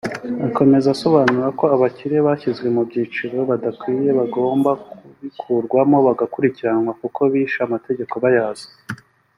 Akomeza asobanura ko abakire bashyizwe mu ibyiciro badakwiye bagomba kubikurwamo bakanakurikiranwa kuko bishe amategeko bayazi